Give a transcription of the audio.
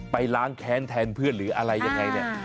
ล้างแค้นแทนเพื่อนหรืออะไรยังไงเนี่ย